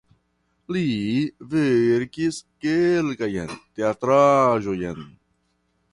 Li verkis kelkajn teatraĵojn.